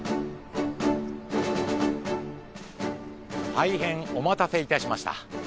大変お待たせいたしました。